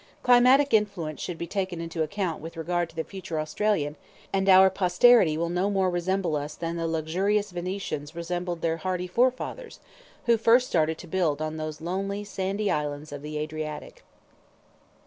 Climatic influence should be taken into account with regard to the future Australian, and our posterity will no more resemble us than the luxurious Venetians resembled their hardy forefathers, who first started to build on those lonely sandy islands of the Adriatic.